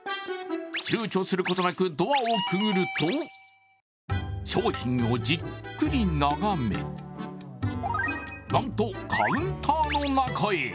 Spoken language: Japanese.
ちゅうちょすることなくドアをくぐると、商品をじっくり眺めなんと、カウンターの中へ。